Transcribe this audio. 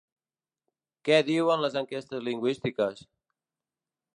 Què diuen les enquestes lingüístiques?